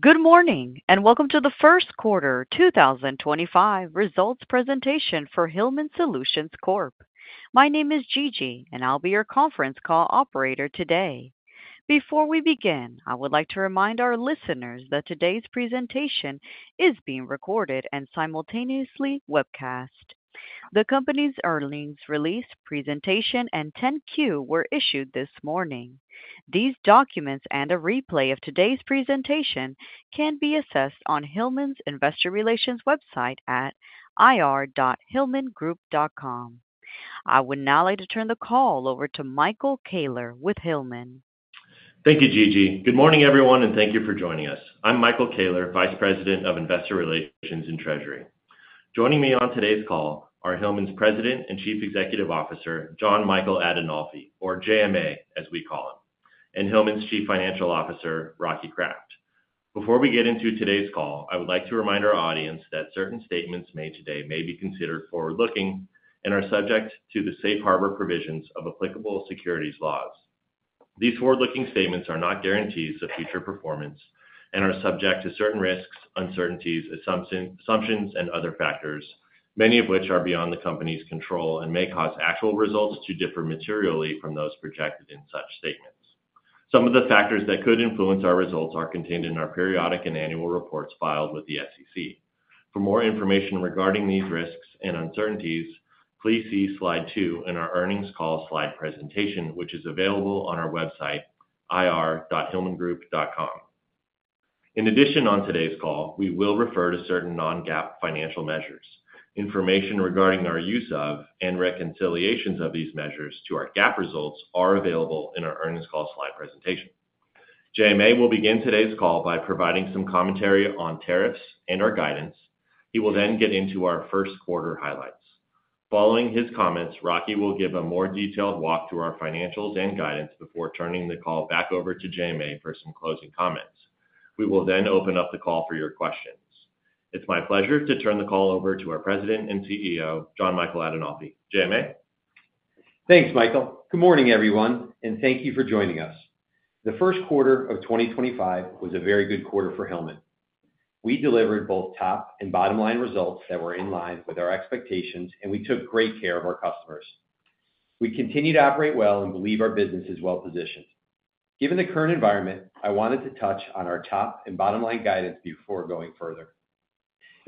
Good morning, and welcome to the first quarter 2025 results presentation for Hillman Solutions Corp. My name is Gigi, and I'll be your conference call operator today. Before we begin, I would like to remind our listeners that today's presentation is being recorded and simultaneously webcast. The company's earnings release, presentation, and 10-Q were issued this morning. These documents and a replay of today's presentation can be accessed on Hillman's investor relations website at ir.hillmangroup.com. I would now like to turn the call over to Michael Koehler with Hillman. Thank you, Gigi. Good morning, everyone, and thank you for joining us. I'm Michael Koehler, Vice President of Investor Relations and Treasury. Joining me on today's call are Hillman's President and Chief Executive Officer, Jon Michael Adinolfi, or JMA as we call him, and Hillman's Chief Financial Officer, Rocky Kraft. Before we get into today's call, I would like to remind our audience that certain statements made today may be considered forward-looking and are subject to the safe harbor provisions of applicable securities laws. These forward-looking statements are not guarantees of future performance and are subject to certain risks, uncertainties, assumptions, and other factors, many of which are beyond the company's control and may cause actual results to differ materially from those projected in such statements. Some of the factors that could influence our results are contained in our periodic and annual reports filed with the SEC. For more information regarding these risks and uncertainties, please see slide two in our earnings call slide presentation, which is available on our website, ir.hillmangroup.com. In addition, on today's call, we will refer to certain non-GAAP financial measures. Information regarding our use of and reconciliations of these measures to our GAAP results are available in our earnings call slide presentation. JMA will begin today's call by providing some commentary on tariffs and our guidance. He will then get into our first quarter highlights. Following his comments, Rocky will give a more detailed walk through our financials and guidance before turning the call back over to JMA for some closing comments. We will then open up the call for your questions. It's my pleasure to turn the call over to our President and CEO, Jon Michael Adinolfi. JMA? Thanks, Michael. Good morning, everyone, and thank you for joining us. The first quarter of 2025 was a very good quarter for Hillman. We delivered both top and bottom-line results that were in line with our expectations, and we took great care of our customers. We continue to operate well and believe our business is well-positioned. Given the current environment, I wanted to touch on our top and bottom-line guidance before going further.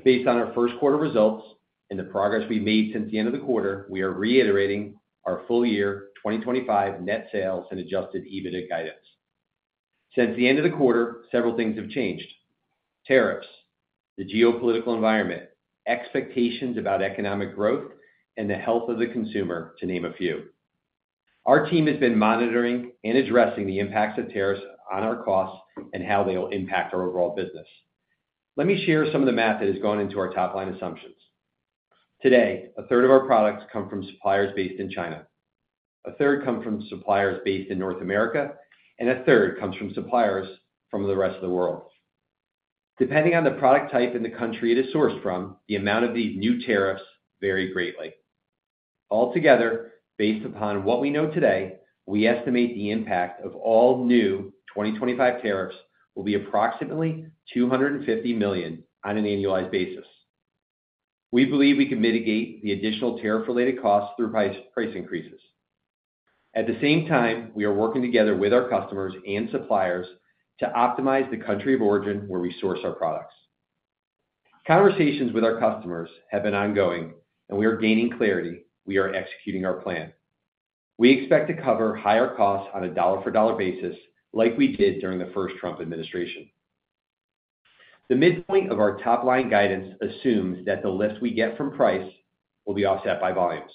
Based on our first quarter results and the progress we've made since the end of the quarter, we are reiterating our full-year 2025 net sales and adjusted EBITDA guidance. Since the end of the quarter, several things have changed: tariffs, the geopolitical environment, expectations about economic growth, and the health of the consumer, to name a few. Our team has been monitoring and addressing the impacts of tariffs on our costs and how they will impact our overall business. Let me share some of the math that has gone into our top-line assumptions. Today, 1/3 of our products come from suppliers based in China, 1/3 comes from suppliers based in North America, and 1/3 comes from suppliers from the rest of the world. Depending on the product type and the country it is sourced from, the amount of these new tariffs varies greatly. Altogether, based upon what we know today, we estimate the impact of all new 2025 tariffs will be approximately $250 million on an annualized basis. We believe we can mitigate the additional tariff-related costs through price increases. At the same time, we are working together with our customers and suppliers to optimize the country of origin where we source our products. Conversations with our customers have been ongoing, and we are gaining clarity. We are executing our plan. We expect to cover higher costs on a dollar-for-dollar basis, like we did during the first Trump administration. The midpoint of our top-line guidance assumes that the lift we get from price will be offset by volumes.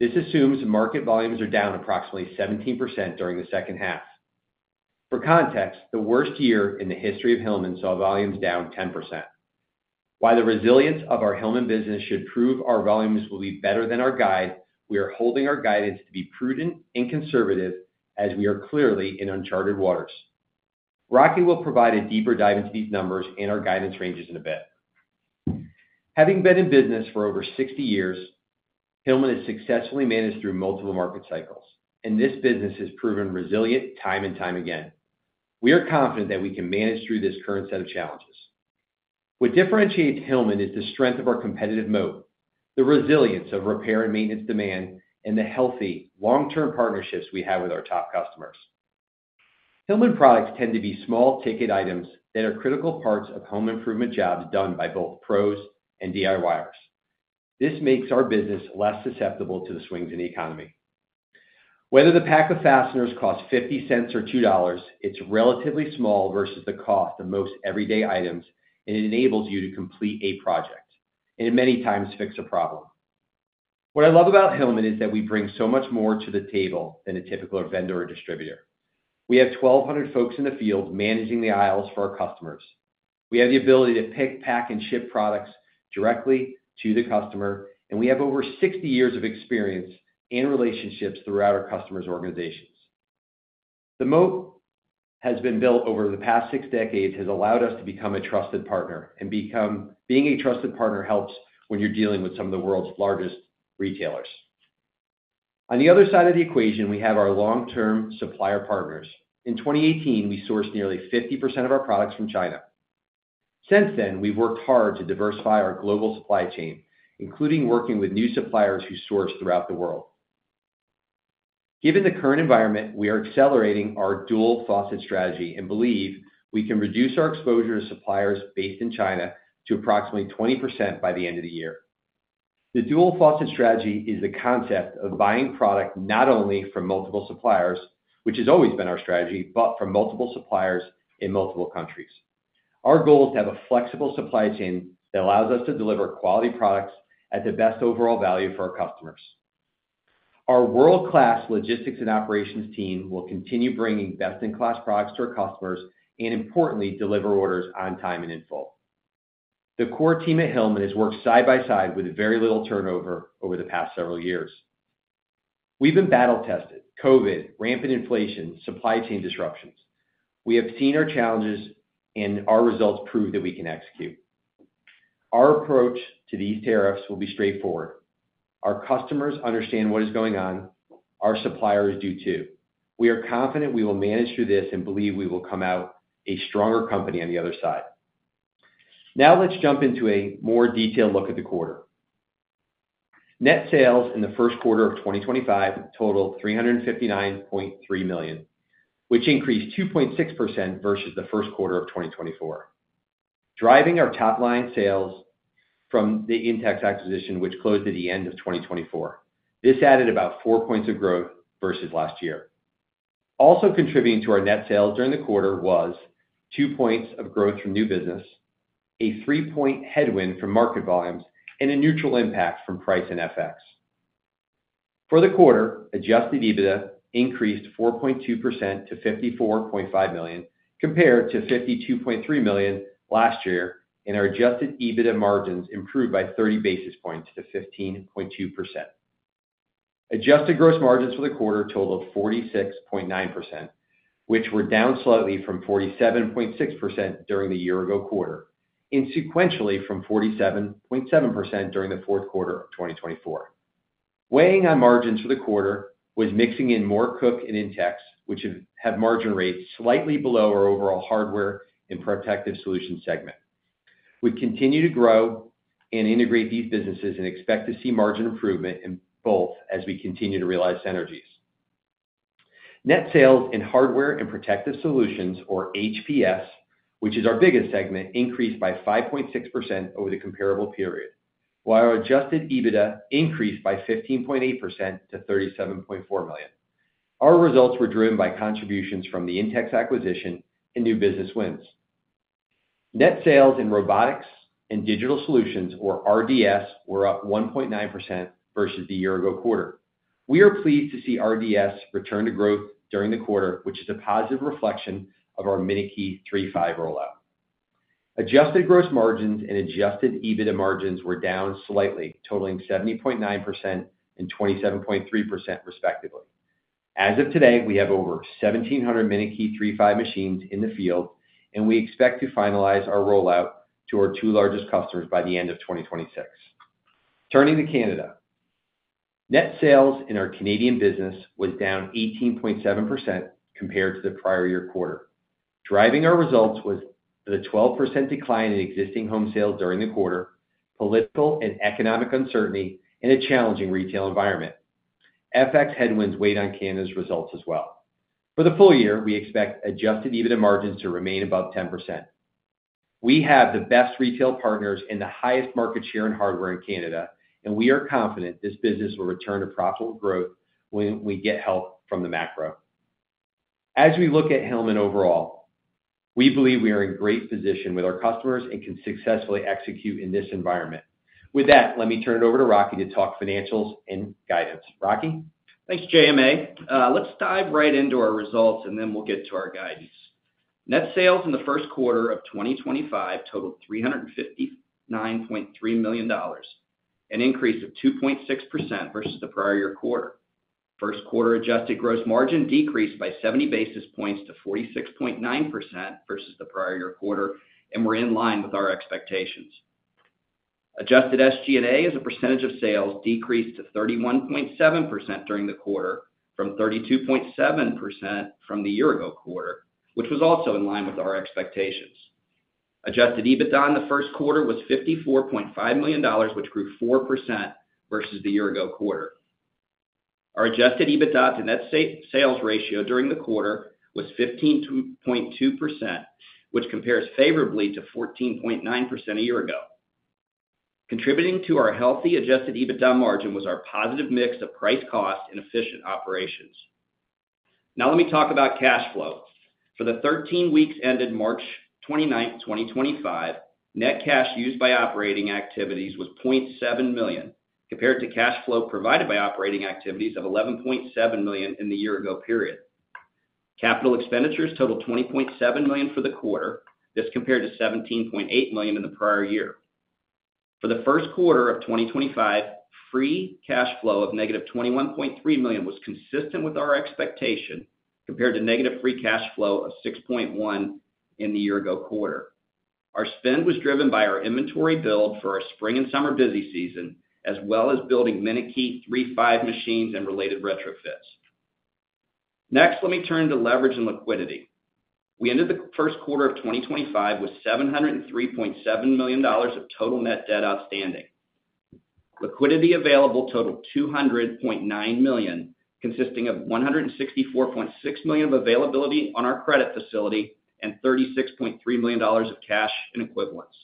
This assumes market volumes are down approximately 17% during the second half. For context, the worst year in the history of Hillman saw volumes down 10%. While the resilience of our Hillman business should prove our volumes will be better than our guide, we are holding our guidance to be prudent and conservative as we are clearly in uncharted waters. Rocky will provide a deeper dive into these numbers and our guidance ranges in a bit. Having been in business for over 60 years, Hillman has successfully managed through multiple market cycles, and this business has proven resilient time and time again. We are confident that we can manage through this current set of challenges. What differentiates Hillman is the strength of our competitive moat, the resilience of repair and maintenance demand, and the healthy long-term partnerships we have with our top customers. Hillman products tend to be small ticket items that are critical parts of home improvement jobs done by both pros and DIYers. This makes our business less susceptible to the swings in the economy. Whether the pack of fasteners costs $0.50 or $2, it is relatively small versus the cost of most everyday items, and it enables you to complete a project and many times fix a problem. What I love about Hillman is that we bring so much more to the table than a typical vendor or distributor. We have 1,200 folks in the field managing the aisles for our customers. We have the ability to pick, pack, and ship products directly to the customer, and we have over 60 years of experience and relationships throughout our customers' organizations. The moat has been built over the past six decades and has allowed us to become a trusted partner, and being a trusted partner helps when you're dealing with some of the world's largest retailers. On the other side of the equation, we have our long-term supplier partners. In 2018, we sourced nearly 50% of our products from China. Since then, we've worked hard to diversify our global supply chain, including working with new suppliers who source throughout the world. Given the current environment, we are accelerating our Dual Faucet strategy and believe we can reduce our exposure to suppliers based in China to approximately 20% by the end of the year. The Dual Faucet strategy is the concept of buying product not only from multiple suppliers, which has always been our strategy, but from multiple suppliers in multiple countries. Our goal is to have a flexible supply chain that allows us to deliver quality products at the best overall value for our customers. Our world-class logistics and operations team will continue bringing best-in-class products to our customers and, importantly, deliver orders on time and in full. The core team at Hillman has worked side by side with very little turnover over the past several years. We've been battle-tested: COVID, rampant inflation, supply chain disruptions. We have seen our challenges, and our results prove that we can execute. Our approach to these tariffs will be straightforward. Our customers understand what is going on. Our suppliers do too. We are confident we will manage through this and believe we will come out a stronger company on the other side. Now let's jump into a more detailed look at the quarter. Net sales in the first quarter of 2025 totaled $359.3 million, which increased 2.6% versus the first quarter of 2024, driving our top-line sales from the Intex acquisition, which closed at the end of 2024. This added about four points of growth versus last year. Also contributing to our net sales during the quarter was two points of growth from new business, a three-point headwind from market volumes, and a neutral impact from price and FX. For the quarter, adjusted EBITDA increased 4.2% to $54.5 million compared to $52.3 million last year, and our adjusted EBITDA margins improved by 30 basis points to 15.2%. Adjusted gross margins for the quarter totaled 46.9%, which were down slightly from 47.6% during the year-ago quarter and sequentially from 47.7% during the fourth quarter of 2024. Weighing on margins for the quarter was mixing in more Koch and Intex, which have margin rates slightly below our overall Hardware and Protective Solutions segment. We continue to grow and integrate these businesses and expect to see margin improvement in both as we continue to realize synergies. Net sales in Hardware and Protective Solutions, or HPS, which is our biggest segment, increased by 5.6% over the comparable period, while our adjusted EBITDA increased by 15.8% to $37.4 million. Our results were driven by contributions from the Intex acquisition and new business wins. Net sales in Robotics and Digital Solutions, or RDS, were up 1.9% versus the year-ago quarter. We are pleased to see RDS return to growth during the quarter, which is a positive reflection of our Minute Key 3.5 rollout. Adjusted gross margins and adjusted EBITDA margins were down slightly, totaling 70.9% and 27.3%, respectively. As of today, we have over 1,700 Minute Key 3.5 machines in the field, and we expect to finalize our rollout to our two largest customers by the end of 2026. Turning to Canada, net sales in our Canadian business were down 18.7% compared to the prior year quarter. Driving our results was the 12% decline in existing home sales during the quarter, political and economic uncertainty, and a challenging retail environment. FX headwinds weighed on Canada's results as well. For the full year, we expect adjusted EBITDA margins to remain above 10%. We have the best retail partners and the highest market share in hardware in Canada, and we are confident this business will return to profitable growth when we get help from the macro. As we look at Hillman overall, we believe we are in great position with our customers and can successfully execute in this environment. With that, let me turn it over to Rocky to talk financials and guidance. Rocky? Thanks, JMA. Let's dive right into our results, and then we'll get to our guidance. Net sales in the first quarter of 2025 totaled $359.3 million, an increase of 2.6% versus the prior year quarter. First quarter adjusted gross margin decreased by 70 basis points to 46.9% versus the prior year quarter, and we're in line with our expectations. Adjusted SG&A as a percentage of sales decreased to 31.7% during the quarter from 32.7% from the year-ago quarter, which was also in line with our expectations. Adjusted EBITDA in the first quarter was $54.5 million, which grew 4% versus the year-ago quarter. Our adjusted EBITDA to net sales ratio during the quarter was 15.2%, which compares favorably to 14.9% a year ago. Contributing to our healthy adjusted EBITDA margin was our positive mix of price, cost, and efficient operations. Now let me talk about cash flow. For the 13 weeks ended March 29, 2025, net cash used by operating activities was $0.7 million compared to cash flow provided by operating activities of $11.7 million in the year-ago period. Capital expenditures totaled $20.7 million for the quarter. This compared to $17.8 million in the prior year. For the first quarter of 2025, free cash flow of negative $21.3 million was consistent with our expectation compared to negative free cash flow of $6.1 million in the year-ago quarter. Our spend was driven by our inventory build for our spring and summer busy season, as well as building Minute Key 3.5 machines and related retrofits. Next, let me turn to leverage and liquidity. We ended the first quarter of 2025 with $703.7 million of total net debt outstanding. Liquidity available totaled $200.9 million, consisting of $164.6 million of availability on our credit facility and $36.3 million of cash and equivalents.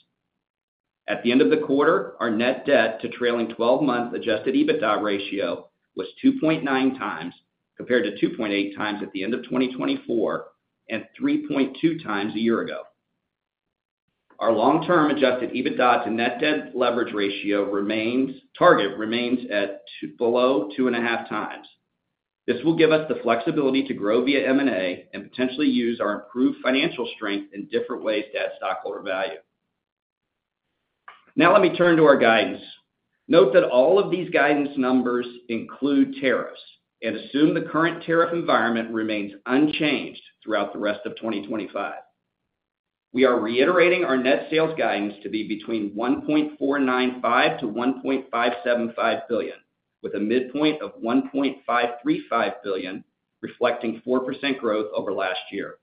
At the end of the quarter, our net debt to trailing 12 months adjusted EBITDA ratio was 2.9x compared to 2.8x at the end of 2024 and 3.2x a year ago. Our long-term adjusted EBITDA to net debt leverage ratio target remains at below 2.5x. This will give us the flexibility to grow via M&A and potentially use our improved financial strength in different ways to add stockholder value. Now let me turn to our guidance. Note that all of these guidance numbers include tariffs, and assume the current tariff environment remains unchanged throughout the rest of 2025. We are reiterating our net sales guidance to be between $1.495 billion-$1.575 billion, with a midpoint of $1.535 billion, reflecting 4% growth over last year.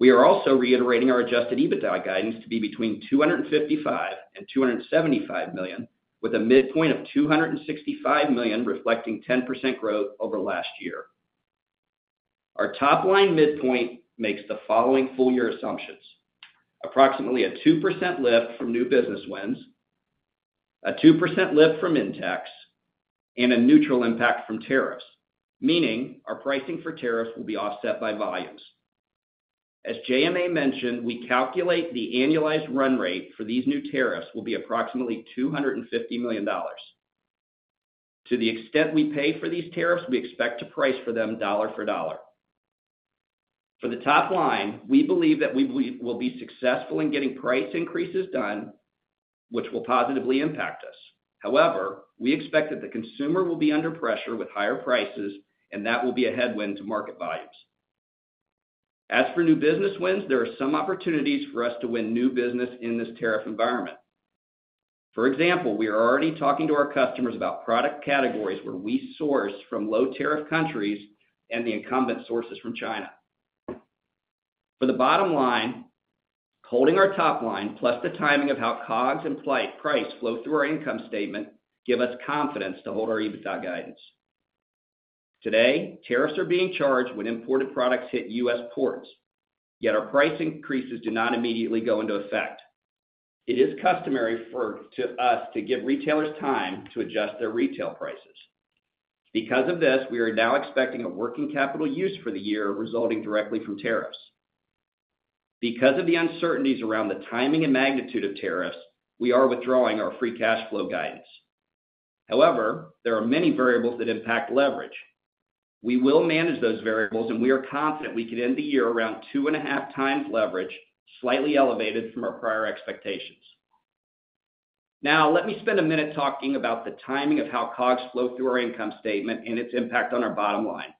We are also reiterating our adjusted EBITDA guidance to be between $255 million and $275 million, with a midpoint of $265 million, reflecting 10% growth over last year. Our top-line midpoint makes the following full-year assumptions: approximately a 2% lift from new business wins, a 2% lift from Intex, and a neutral impact from tariffs, meaning our pricing for tariffs will be offset by volumes. As JMA mentioned, we calculate the annualized run rate for these new tariffs will be approximately $250 million. To the extent we pay for these tariffs, we expect to price for them dollar for dollar. For the top line, we believe that we will be successful in getting price increases done, which will positively impact us. However, we expect that the consumer will be under pressure with higher prices, and that will be a headwind to market volumes. As for new business wins, there are some opportunities for us to win new business in this tariff environment. For example, we are already talking to our customers about product categories where we source from low-tariff countries and the incumbent sources from China. For the bottom line, holding our top line plus the timing of how COGS and price flow through our income statement give us confidence to hold our EBITDA guidance. Today, tariffs are being charged when imported products hit U.S. ports, yet our price increases do not immediately go into effect. It is customary for us to give retailers time to adjust their retail prices. Because of this, we are now expecting a working capital use for the year resulting directly from tariffs. Because of the uncertainties around the timing and magnitude of tariffs, we are withdrawing our free cash flow guidance. However, there are many variables that impact leverage. We will manage those variables, and we are confident we can end the year around 2.5x leverage, slightly elevated from our prior expectations. Now let me spend a minute talking about the timing of how COGS flow through our income statement and its impact on our bottom line.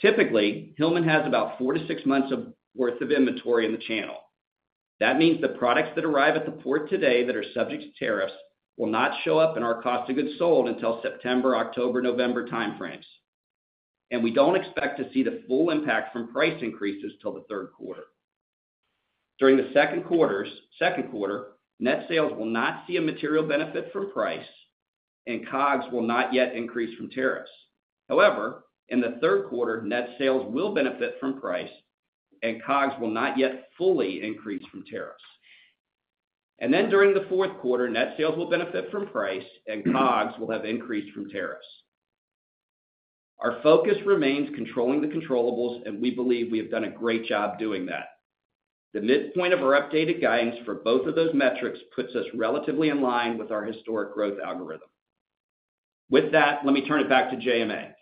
Typically, Hillman has about four to six months worth of inventory in the channel. That means the products that arrive at the port today that are subject to tariffs will not show up in our cost of goods sold until September, October, November timeframes, and we do not expect to see the full impact from price increases till the third quarter. During the second quarter, net sales will not see a material benefit from price, and COGS will not yet increase from tariffs. However, in the third quarter, net sales will benefit from price, and COGS will not yet fully increase from tariffs. During the fourth quarter, net sales will benefit from price, and COGS will have increased from tariffs. Our focus remains controlling the controllable, and we believe we have done a great job doing that. The midpoint of our updated guidance for both of those metrics puts us relatively in line with our historic growth algorithm. With that, let me turn it back to JMA.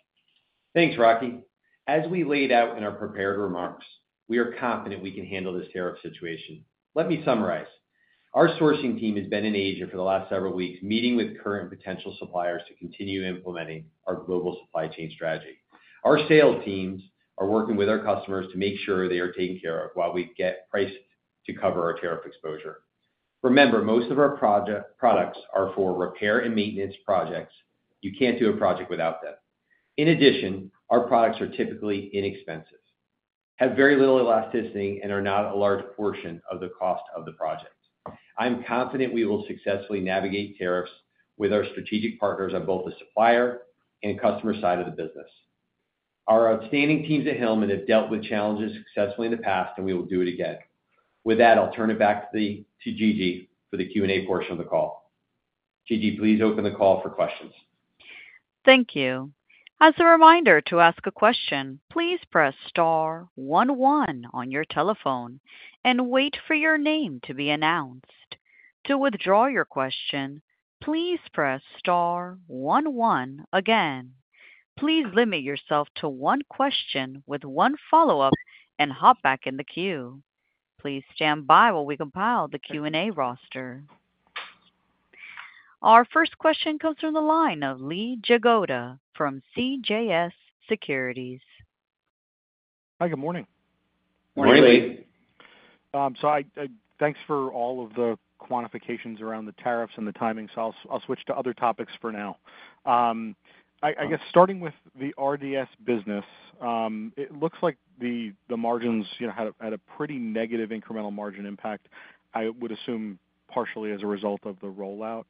Thanks, Rocky. As we laid out in our prepared remarks, we are confident we can handle this tariff situation. Let me summarize. Our sourcing team has been in Asia for the last several weeks meeting with current potential suppliers to continue implementing our global supply chain strategy. Our sales teams are working with our customers to make sure they are taken care of while we get price to cover our tariff exposure. Remember, most of our products are for repair and maintenance projects. You can't do a project without them. In addition, our products are typically inexpensive, have very little elasticity, and are not a large portion of the cost of the project. I'm confident we will successfully navigate tariffs with our strategic partners on both the supplier and customer side of the business. Our outstanding teams at Hillman have dealt with challenges successfully in the past, and we will do it again. With that, I'll turn it back to Gigi for the Q&A portion of the call. Gigi, please open the call for questions. Thank you. As a reminder to ask a question, please press star one one on your telephone and wait for your name to be announced. To withdraw your question, please press star one one again. Please limit yourself to one question with one follow-up and hop back in the queue. Please stand by while we compile the Q&A roster. Our first question comes from the line of Lee Jagoda from CJS Securities. Hi, good morning. Morning, Lee. Thanks for all of the quantifications around the tariffs and the timing. I'll switch to other topics for now. I guess starting with the RDS business, it looks like the margins had a pretty negative incremental margin impact, I would assume partially as a result of the rollout.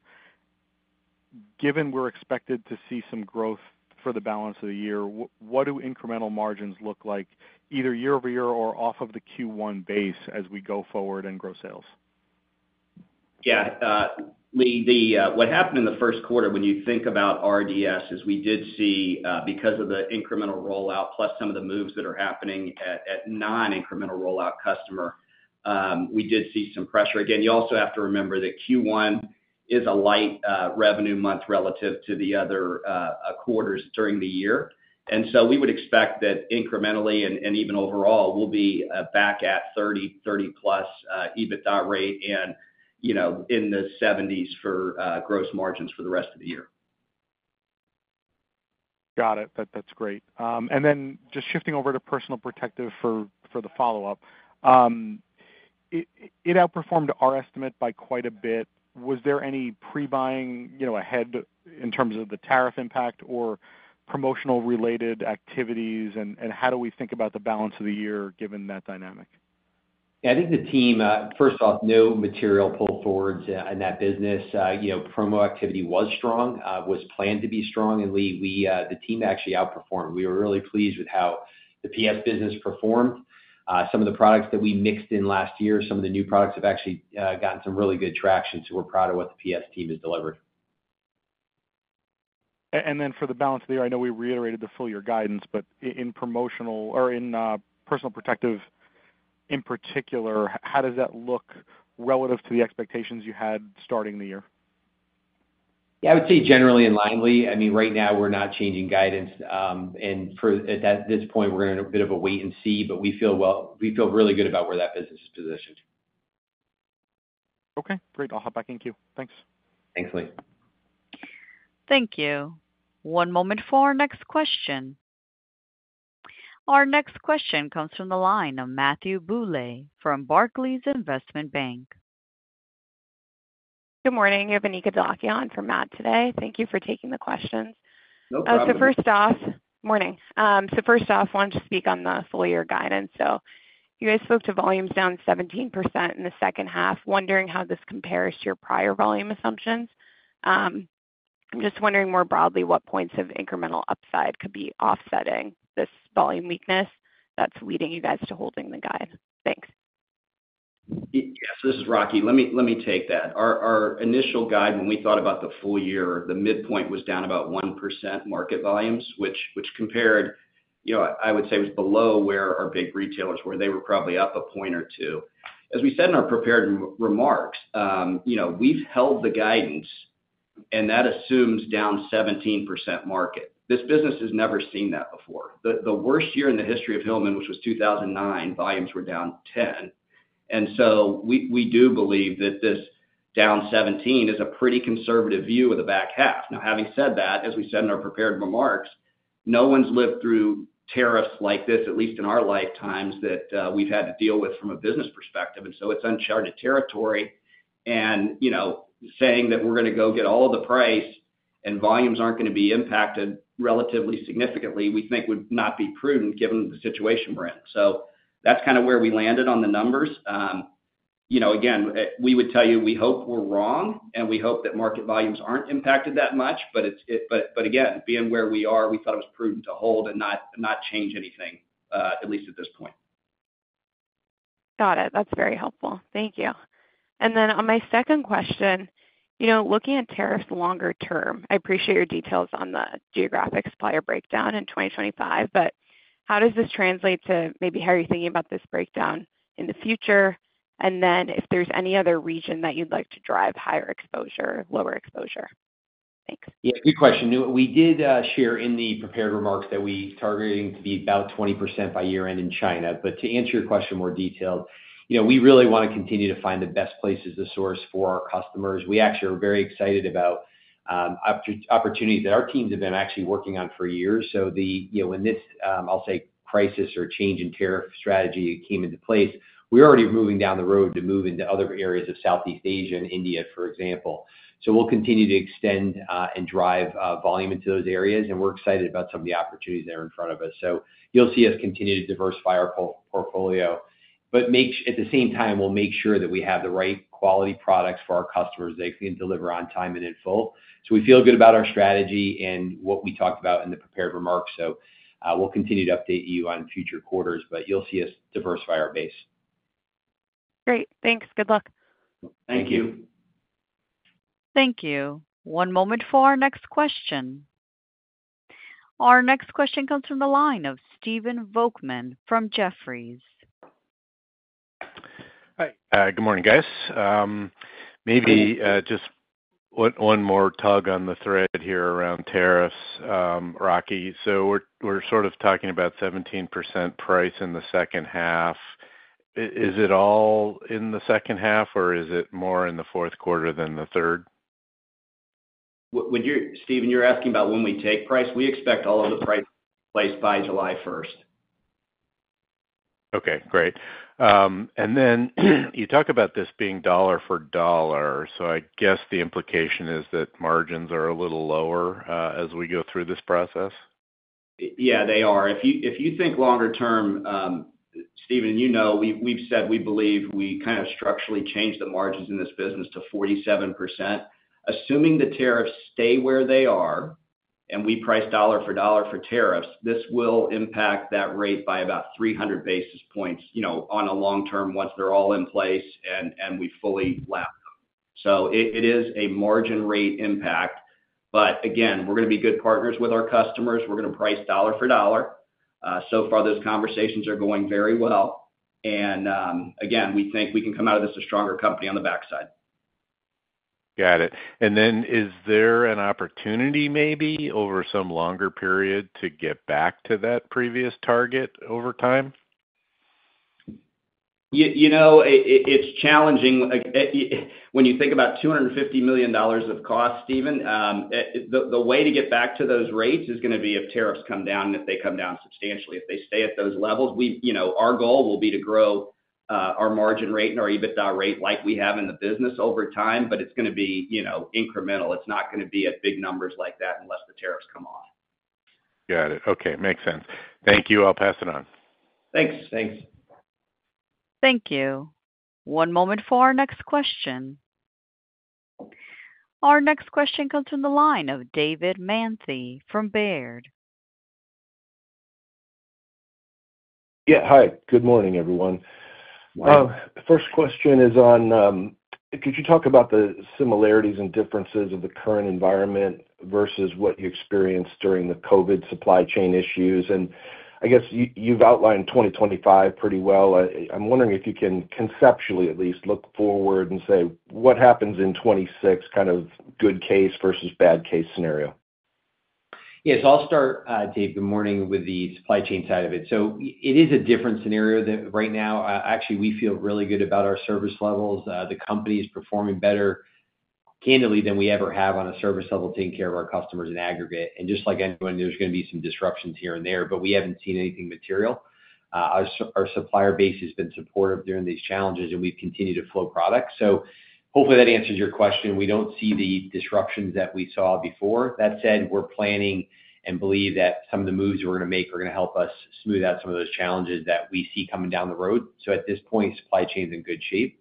Given we're expected to see some growth for the balance of the year, what do incremental margins look like either year over year or off of the Q1 base as we go forward in gross sales? Yeah. What happened in the first quarter when you think about RDS is we did see, because of the incremental rollout plus some of the moves that are happening at non-incremental rollout customer, we did see some pressure. Again, you also have to remember that Q1 is a light revenue month relative to the other quarters during the year. We would expect that incrementally and even overall we'll be back at 30, 30 plus EBITDA rate and in the 70s for gross margins for the rest of the year. Got it. That's great. Just shifting over to personal protective for the follow-up, it outperformed our estimate by quite a bit. Was there any pre-buying ahead in terms of the tariff impact or promotional-related activities? How do we think about the balance of the year given that dynamic? Yeah, I think the team, first off, no material pull forwards in that business. Promo activity was strong, was planned to be strong. The team actually outperformed. We were really pleased with how the PS business performed. Some of the products that we mixed in last year, some of the new products have actually gotten some really good traction. We are proud of what the PS team has delivered. For the balance of the year, I know we reiterated the full-year guidance, but in personal protective in particular, how does that look relative to the expectations you had starting the year? Yeah, I would say generally in line, Lee. I mean, right now we're not changing guidance. At this point, we're in a bit of a wait and see, but we feel really good about where that business is positioned. Okay. Great. I'll hop back in queue. Thanks. Thanks, Lee. Thank you. One moment for our next question. Our next question comes from the line of Matthew Bouley from Barclays Investment Bank. Good morning. Anika Dholakia from Matt today. Thank you for taking the questions. No problem. First off, morning. First off, I wanted to speak on the full-year guidance. You guys spoke to volumes down 17% in the second half. Wondering how this compares to your prior volume assumptions. I'm just wondering more broadly what points of incremental upside could be offsetting this volume weakness that's leading you guys to holding the guide. Thanks. Yeah. This is Rocky. Let me take that. Our initial guide, when we thought about the full year, the midpoint was down about 1% market volumes, which compared, I would say, was below where our big retailers were. They were probably up a point or two. As we said in our prepared remarks, we've held the guidance, and that assumes down 17% market. This business has never seen that before. The worst year in the history of Hillman, which was 2009, volumes were down 10. We do believe that this down 17 is a pretty conservative view of the back half. Now, having said that, as we said in our prepared remarks, no one's lived through tariffs like this, at least in our lifetimes, that we've had to deal with from a business perspective. It is uncharted territory. Saying that we're going to go get all the price and volumes aren't going to be impacted relatively significantly, we think would not be prudent given the situation we're in. That is kind of where we landed on the numbers. Again, we would tell you we hope we're wrong, and we hope that market volumes aren't impacted that much. Again, being where we are, we thought it was prudent to hold and not change anything, at least at this point. Got it. That's very helpful. Thank you. On my second question, looking at tariffs longer term, I appreciate your details on the geographic supplier breakdown in 2025, but how does this translate to maybe how you're thinking about this breakdown in the future? If there's any other region that you'd like to drive higher exposure, lower exposure? Thanks. Yeah. Good question. We did share in the prepared remarks that we are targeting to be about 20% by year-end in China. To answer your question more detailed, we really want to continue to find the best places to source for our customers. We actually are very excited about opportunities that our teams have been actually working on for years. When this, I'll say, crisis or change in tariff strategy came into place, we were already moving down the road to move into other areas of Southeast Asia and India, for example. We will continue to extend and drive volume into those areas, and we are excited about some of the opportunities that are in front of us. You will see us continue to diversify our portfolio. At the same time, we'll make sure that we have the right quality products for our customers that can deliver on time and in full. We feel good about our strategy and what we talked about in the prepared remarks. We'll continue to update you on future quarters, but you'll see us diversify our base. Great. Thanks. Good luck. Thank you. Thank you. One moment for our next question. Our next question comes from the line of Stephen Volkmann from Jefferies. Hi. Good morning, guys. Maybe just one more tug on the thread here around tariffs, Rocky. So we're sort of talking about 17% price in the second half. Is it all in the second half, or is it more in the fourth quarter than the third? Stephen, you're asking about when we take price? We expect all of the price by July 1st. Okay. Great. You talk about this being dollar for dollar. I guess the implication is that margins are a little lower as we go through this process? Yeah, they are. If you think longer term, Stephen, you know we've said we believe we kind of structurally changed the margins in this business to 47%. Assuming the tariffs stay where they are and we price dollar for dollar for tariffs, this will impact that rate by about 300 basis points on a long term once they're all in place and we fully lap them. It is a margin rate impact. Again, we're going to be good partners with our customers. We're going to price dollar for dollar. So far, those conversations are going very well. Again, we think we can come out of this a stronger company on the backside. Got it. Is there an opportunity maybe over some longer period to get back to that previous target over time? It's challenging. When you think about $250 million of cost, Stephen, the way to get back to those rates is going to be if tariffs come down and if they come down substantially. If they stay at those levels, our goal will be to grow our margin rate and our EBITDA rate like we have in the business over time, but it's going to be incremental. It's not going to be at big numbers like that unless the tariffs come off. Got it. Okay. Makes sense. Thank you. I'll pass it on. Thanks. Thanks. Thank you. One moment for our next question. Our next question comes from the line of David Manthey from Baird. Yeah. Hi. Good morning, everyone. First question is on, could you talk about the similarities and differences of the current environment versus what you experienced during the COVID supply chain issues? I guess you've outlined 2025 pretty well. I'm wondering if you can conceptually at least look forward and say, what happens in 2026, kind of good case versus bad case scenario? Yes. I'll start, Dave, good morning with the supply chain side of it. It is a different scenario right now. Actually, we feel really good about our service levels. The company is performing better, candidly, than we ever have on a service level taking care of our customers in aggregate. Just like anyone, there's going to be some disruptions here and there, but we haven't seen anything material. Our supplier base has been supportive during these challenges, and we've continued to flow product. Hopefully that answers your question. We don't see the disruptions that we saw before. That said, we're planning and believe that some of the moves we're going to make are going to help us smooth out some of those challenges that we see coming down the road. At this point, supply chain is in good shape.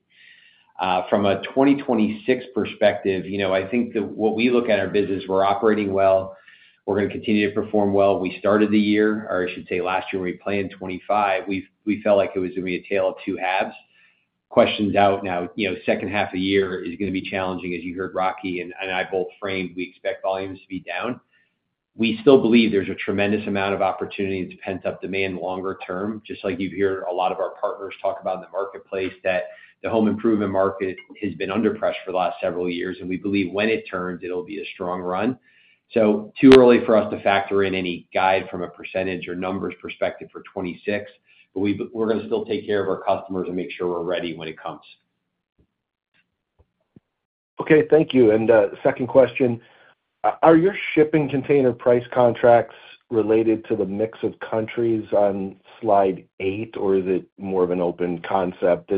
From a 2026 perspective, I think that what we look at our business, we're operating well. We're going to continue to perform well. We started the year, or I should say last year, when we planned 2025, we felt like it was going to be a tale of two halves. Questions out now. Second half of the year is going to be challenging, as you heard Rocky and I both framed we expect volumes to be down. We still believe there's a tremendous amount of opportunity that's pent up demand longer term, just like you hear a lot of our partners talk about in the marketplace that the home improvement market has been under pressure for the last several years. We believe when it turns, it'll be a strong run. Too early for us to factor in any guide from a percentage or numbers perspective for 2026, but we're going to still take care of our customers and make sure we're ready when it comes. Okay. Thank you. Second question, are your shipping container price contracts related to the mix of countries on slide eight, or is it more of an open concept?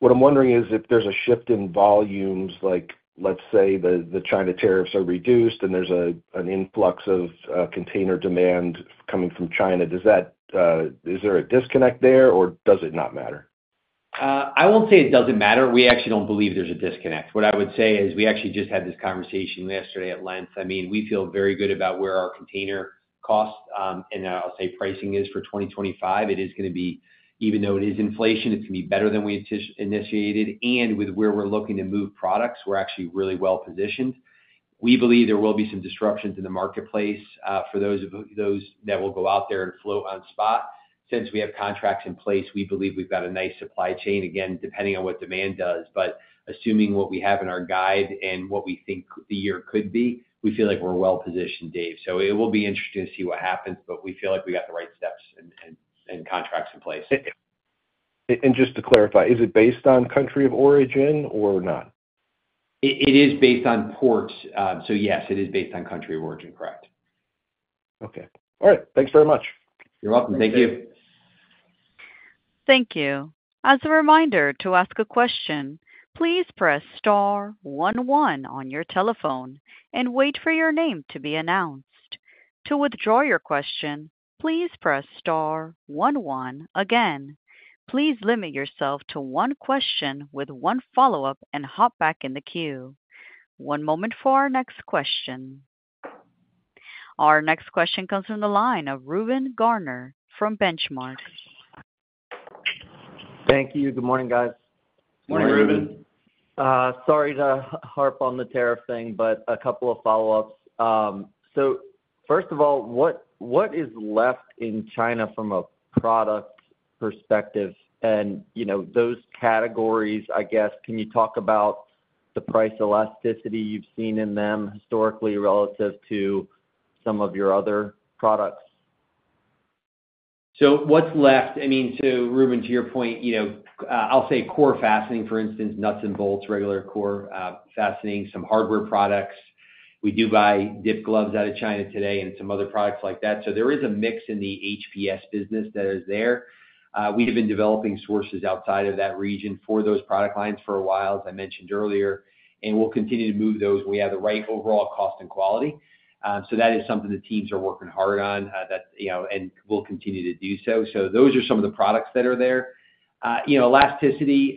What I'm wondering is if there's a shift in volumes, like let's say the China tariffs are reduced and there's an influx of container demand coming from China, is there a disconnect there or does it not matter? I won't say it doesn't matter. We actually don't believe there's a disconnect. What I would say is we actually just had this conversation yesterday at length. I mean, we feel very good about where our container costs and I'll say pricing is for 2025. It is going to be, even though it is inflation, it's going to be better than we initiated. With where we're looking to move products, we're actually really well positioned. We believe there will be some disruptions in the marketplace for those that will go out there and float on spot. Since we have contracts in place, we believe we've got a nice supply chain, again, depending on what demand does. Assuming what we have in our guide and what we think the year could be, we feel like we're well positioned, Dave. It will be interesting to see what happens, but we feel like we got the right steps and contracts in place. Just to clarify, is it based on country of origin or not? It is based on ports. Yes, it is based on country of origin. Correct. Okay. All right. Thanks very much. You're welcome. Thank you. Thank you. As a reminder to ask a question, please press star one one on your telephone and wait for your name to be announced. To withdraw your question, please press star one one again. Please limit yourself to one question with one follow-up and hop back in the queue. One moment for our next question. Our next question comes from the line of Reuben Garner from Benchmark. Thank you. Good morning, guys. Good morning, Reuben. Sorry to harp on the tariff thing, but a couple of follow-ups. First of all, what is left in China from a product perspective? In those categories, I guess, can you talk about the price elasticity you have seen in them historically relative to some of your other products? What's left? I mean, Reuben, to your point, I'll say core fastening, for instance, nuts and bolts, regular core fastening, some hardware products. We do buy dip gloves out of China today and some other products like that. There is a mix in the HPS business that is there. We have been developing sources outside of that region for those product lines for a while, as I mentioned earlier, and we'll continue to move those when we have the right overall cost and quality. That is something the teams are working hard on and will continue to do so. Those are some of the products that are there. Elasticity,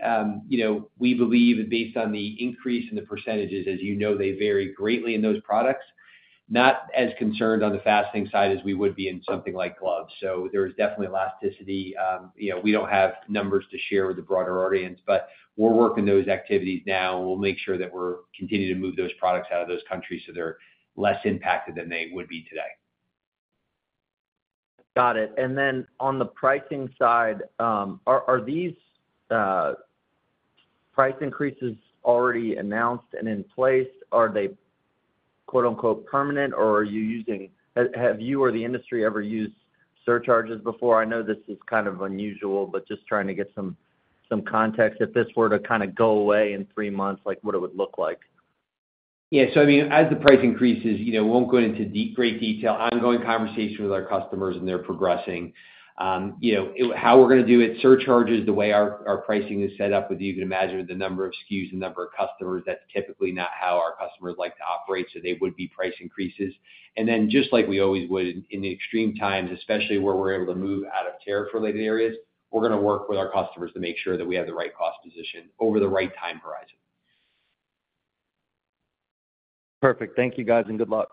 we believe based on the increase in the percentages, as you know, they vary greatly in those products, not as concerned on the fastening side as we would be in something like gloves. There is definitely elasticity. We do not have numbers to share with the broader audience, but we are working those activities now, and we will make sure that we are continuing to move those products out of those countries so they are less impacted than they would be today. Got it. On the pricing side, are these price increases already announced and in place? Are they "permanent" or have you or the industry ever used surcharges before? I know this is kind of unusual, just trying to get some context. If this were to kind of go away in three months, what would it look like? Yeah. I mean, as the price increases, we won't go into great detail. Ongoing conversation with our customers and they're progressing. How we're going to do it, surcharges the way our pricing is set up with you can imagine with the number of SKUs, the number of customers. That's typically not how our customers like to operate, so they would be price increases. Just like we always would in extreme times, especially where we're able to move out of tariff-related areas, we're going to work with our customers to make sure that we have the right cost position over the right time horizon. Perfect. Thank you, guys, and good luck.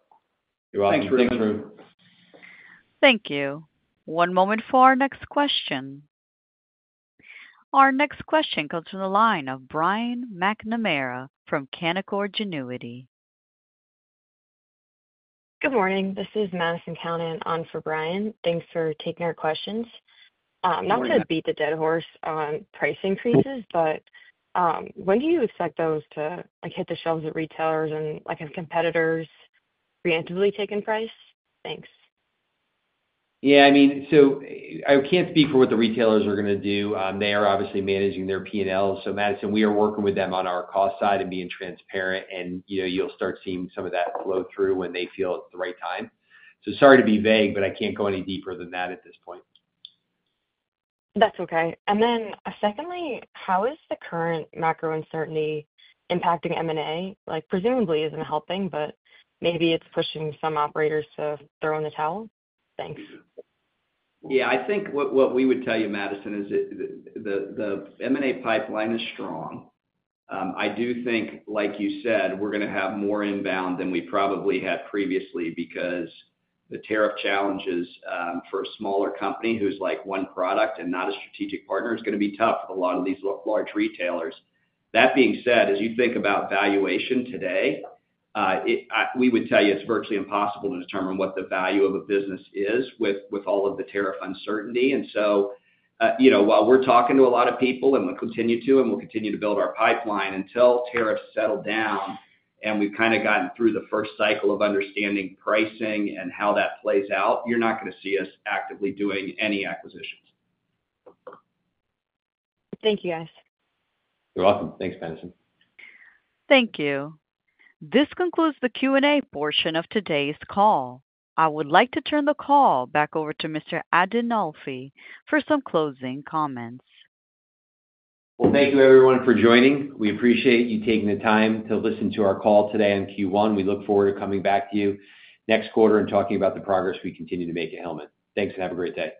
You're welcome. Thanks, Reuben. Thank you. One moment for our next question. Our next question comes from the line of Madison Callinan, covering for Brian McNamara from Canaccord Genuity. Good morning. This is Madison Callinan on for Brian. Thanks for taking our questions. Not to beat the dead horse on price increases, but when do you expect those to hit the shelves of retailers and have competitors preemptively taken price? Thanks. Yeah. I mean, I can't speak for what the retailers are going to do. They are obviously managing their P&Ls. Madison, we are working with them on our cost side and being transparent, and you'll start seeing some of that flow through when they feel it's the right time. Sorry to be vague, but I can't go any deeper than that at this point. That's okay. Secondly, how is the current macro uncertainty impacting M&A? Presumably, it isn't helping, but maybe it's pushing some operators to throw in the towel. Thanks. Yeah. I think what we would tell you, Madison, is the M&A pipeline is strong. I do think, like you said, we're going to have more inbound than we probably had previously because the tariff challenges for a smaller company who's like one product and not a strategic partner is going to be tough for a lot of these large retailers. That being said, as you think about valuation today, we would tell you it's virtually impossible to determine what the value of a business is with all of the tariff uncertainty. While we're talking to a lot of people and we'll continue to, and we'll continue to build our pipeline until tariffs settle down and we've kind of gotten through the first cycle of understanding pricing and how that plays out, you're not going to see us actively doing any acquisitions. Thank you, guys. You're welcome. Thanks, Madison. Thank you. This concludes the Q&A portion of today's call. I would like to turn the call back over to Mr. Adinolfi for some closing comments. Thank you, everyone, for joining. We appreciate you taking the time to listen to our call today on Q1. We look forward to coming back to you next quarter and talking about the progress we continue to make at Hillman. Thanks and have a great day.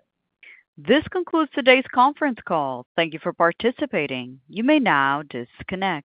This concludes today's conference call. Thank you for participating. You may now disconnect.